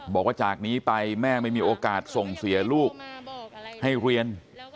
บอกว่าจากนี้ไปแม่ไม่มีโอกาสส่งเสียลูกให้เรียน